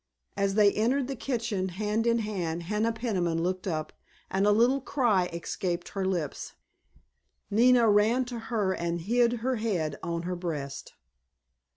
As they entered the kitchen hand in hand Hannah Peniman looked up, and a little cry escaped her lips. Nina ran to her and hid her head on her breast.